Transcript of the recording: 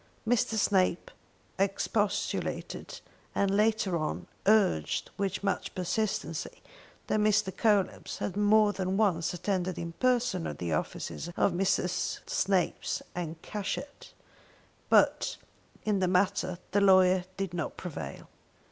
Mr. Snape, expostulated, and, later on, urged with much persistency, that Mr. Coelebs had more than once attended in person at the office of Messrs. Snape and Cashett. But in this matter the lawyers did not prevail.